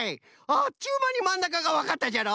あっちゅうまにまんなかがわかったじゃろ？